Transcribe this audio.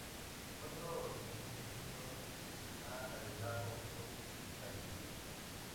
Otros científicos han agregado otros detalles.